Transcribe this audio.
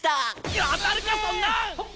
いや当たるかそんなん！